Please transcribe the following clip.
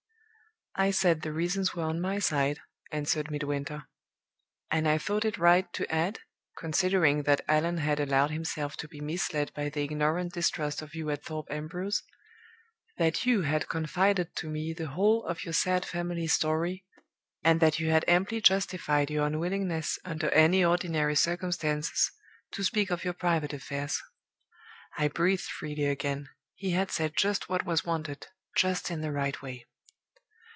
"'I said the reasons were on my side,' answered Midwinter. 'And I thought it right to add considering that Allan had allowed himself to be misled by the ignorant distrust of you at Thorpe Ambrose that you had confided to me the whole of your sad family story, and that you had amply justified your unwillingness; under any ordinary circumstances, to speak of your private affairs.'" ("I breathed freely again. He had said just what was wanted, just in the right way.")